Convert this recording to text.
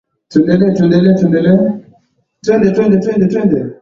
Ukaguzi wa maendeleo ya ujenzi wa daraja la Magufuli lilolopo Kigongo Busisi